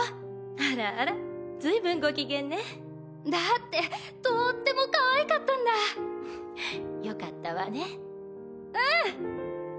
あらあら随分ご機嫌ねだってとってもかわいかったんだよかったわねうん！